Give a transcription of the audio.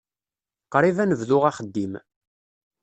Qrib ad nebdu axeddim.